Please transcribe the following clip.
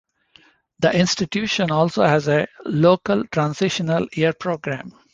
The institution also has a local Transitional Year program.